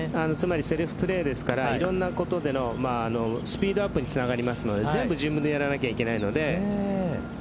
セルフプレーなのでいろんなことのスピードアップにつながりますので全部自分でやらなければいけないので。